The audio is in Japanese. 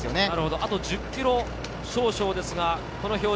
あと１０ｋｍ少々ですが、この表情。